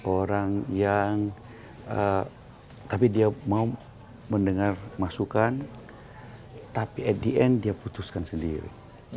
orang yang tapi dia mau mendengar masukan tapi at the end dia putuskan sendiri